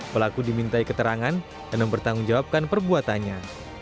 pelaku dimintai keterangan dan mempertanggungjawabkan perbuatannya